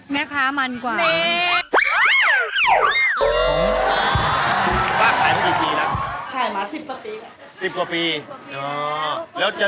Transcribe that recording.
แม่ค้ามันกว่า